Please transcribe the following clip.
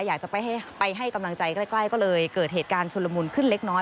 อยากจะไปให้กำลังใจใกล้ก็เลยเกิดเหตุการณ์ชุนละมุนขึ้นเล็กน้อย